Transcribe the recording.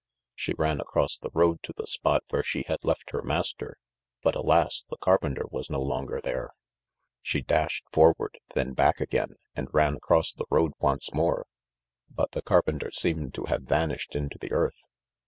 She ran across the road to the spot where she had left her master, but alas, the carpenter was no longer there. She dashed forward, then back again and ran across the road once more, but the carpenter seemed to have vanished into the earth.